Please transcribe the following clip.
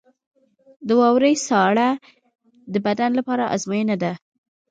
• د واورې ساړه د بدن لپاره ازموینه ده.